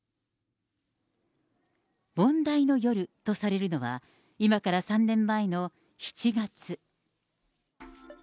問題の夜とされるのは、今から３年前の７月。